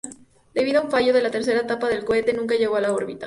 Debido a un fallo de la tercera etapa del cohete, nunca llegó a órbita.